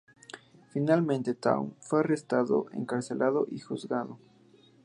Finalmente, Thaw fue arrestado, encarcelado y juzgado.